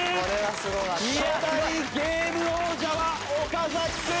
初代ゲーム王者は岡君！